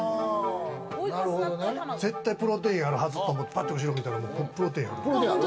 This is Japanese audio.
絶対プロテインあるはずと思ったら、プロテインある。